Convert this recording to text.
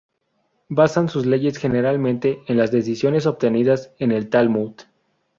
Basan sus leyes generalmente en las decisiones obtenidas en el Talmud.